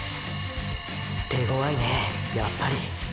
手強いねやっぱり。